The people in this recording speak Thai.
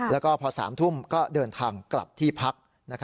แล้วก็พอ๓ทุ่มก็เดินทางกลับที่พัก